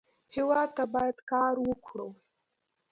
هېواد ته باید کار وکړو